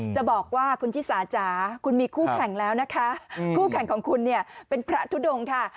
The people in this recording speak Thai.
จะบอกว่าคุณชิสาจ๋าคุณมีคู่แข่งแล้วนะคะคู่แข่งของคุณเนี่ยเป็นพระทุดงค่ะ